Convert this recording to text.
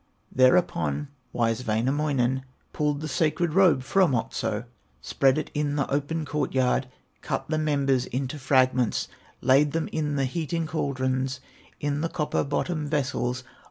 Thereupon wise Wainamoinen Pulled the sacred robe from Otso, Spread it in the open court yard, Cut the members into fragments, Laid them in the heating caldrons, In the copper bottomed vessels.